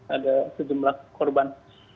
ada sejumlah korban